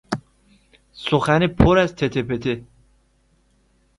سخن پر از تته پته